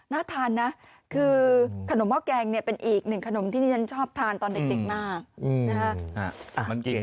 น่าทานนะคือขนมหม้อแกงเป็นอีกหนึ่งขนมที่ฉันชอบทานตอนเด็กมาก